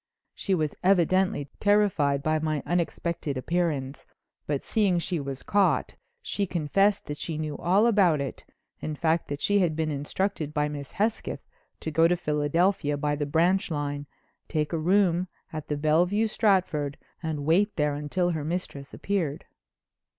She was evidently terrified by my unexpected appearance, but seeing she was caught, she confessed that she knew all about it, in fact, that she had been instructed by Miss Hesketh to go to Philadelphia by the branch line, take a room in the Bellevue Stratford, and wait there till her mistress appeared.